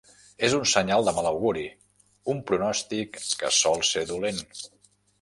És un senyal de mal auguri, un pronòstic que sol ser dolent.